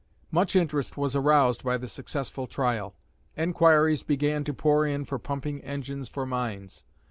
Much interest was aroused by the successful trial. Enquiries began to pour in for pumping engines for mines.